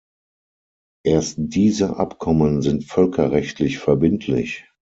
Erst diese Abkommen sind völkerrechtlich verbindlich.